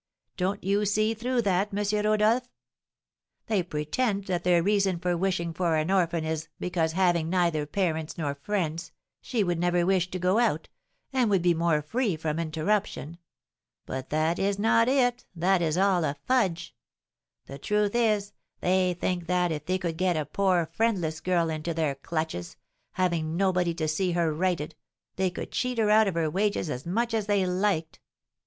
Don't you see through that, M. Rodolph? They pretend that their reason for wishing for an orphan is, because, having neither parents nor friends, she would never wish to go out, and would be more free from interruption; but that is not it, that is all a fudge; the truth is, they think that, if they could get a poor, friendless girl into their clutches, having nobody to see her righted, they could cheat her out of her wages as much as they liked.